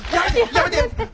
やめて！